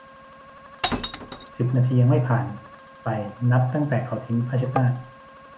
สิบนาทียังไม่ผ่านไปนับตั้งแต่เขาทิ้งผ้าเช็ดหน้า